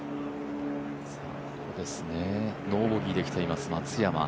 ノーボギーできています松山。